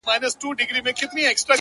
هر څه هېره كاندي~